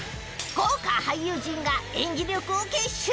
豪華俳優陣が演技力を結集！